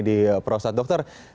di perusahaan dokter